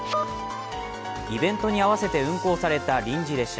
イベントに合わせて運行された臨時列車。